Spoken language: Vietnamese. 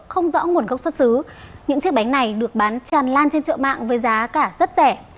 không rõ nguồn gốc xuất xứ những chiếc bánh này được bán tràn lan trên chợ mạng với giá cả rất rẻ